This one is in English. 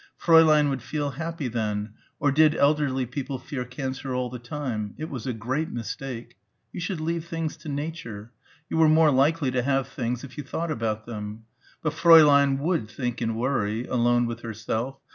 Fräulein would feel happy then ... or did elderly people fear cancer all the time.... It was a great mistake. You should leave things to Nature.... You were more likely to have things if you thought about them. But Fräulein would think and worry ... alone with herself